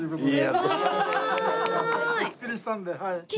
お作りしたので。